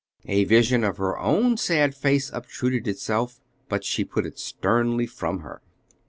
A vision of her own sad face obtruded itself, but she put it sternly from her.